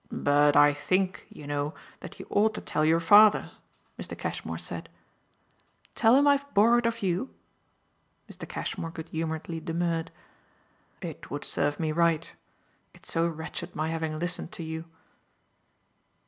"But I think, you know, that you ought to tell your father," Mr. Cashmore said. "Tell him I've borrowed of you?" Mr. Cashmore good humouredly demurred. "It would serve me right it's so wretched my having listened to you.